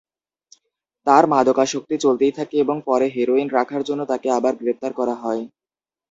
তার মাদকাসক্তি চলতেই থাকে এবং পরে হেরোইন রাখার জন্য তাকে আবার গ্রেপ্তার করা হয়।